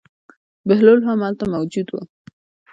بهلول هم هلته موجود و.